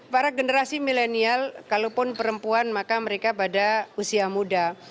para generasi milenial kalaupun perempuan maka mereka pada usia muda